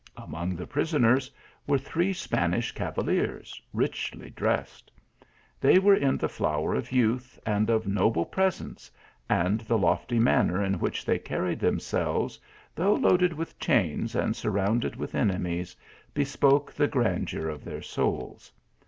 Among the prisoners were three Spanish cavaliers, richly dressed. They were in the flower of youth, and of noble presence, and the lofty manner in which they carried themselves, though loaded with chains and surround ed with enemies, bespoke the grandeur of their souls.